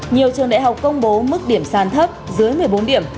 nhiều trường đại học công bố mức điểm sàn thấp dưới một mươi bốn điểm